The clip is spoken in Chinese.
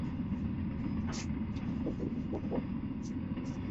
聂荣臻元帅曾担任协会名誉理事长。